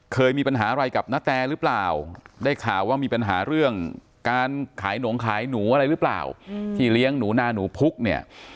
เคยมีปัญหาอะไรกับนาแตหรือเปล่าได้ข่าวว่ามีปัญหาเรื่องการขายหนงขายหนูอะไรหรือเปล่าที่เลี้ยงหนูนาหนูพุกเนี่ย